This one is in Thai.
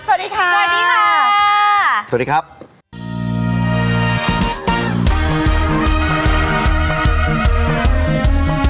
สวัสดีค่ะสวัสดีค่ะ